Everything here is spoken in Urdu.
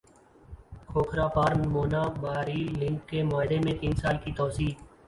کھوکھرا پار مونا با ریل لنک کے معاہدے میں تین سال کی توسیع